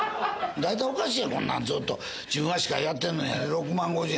大体おかしいやろ、こんなん、ずっと、自分は司会やってんのに、６万５０円。